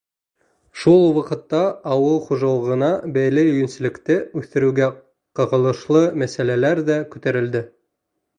Шул уҡ ваҡытта ауыл хужалығына бәйле йүнселлекте үҫтереүгә ҡағылышлы мәсьәләләр ҙә күтәрелде.